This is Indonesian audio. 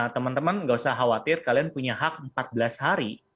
teman teman nggak usah khawatir kalian punya hak empat belas hari